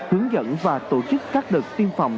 hướng dẫn và tổ chức các đợt tiêm phòng